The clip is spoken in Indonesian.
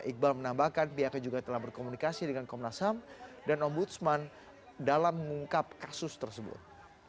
iqbal menambahkan pihaknya juga telah berkomunikasi dengan komnas ham dan ombudsman dalam mengungkap kasus tersebut